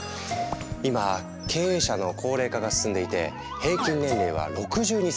今経営者の高齢化が進んでいて平均年齢は６２歳。